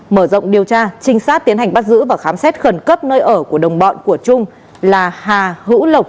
mở rộng điều tra trinh sát tiến hành bắt giữ và khám xét khẩn cấp nơi ở của đồng bọn của trung là hà hữu lộc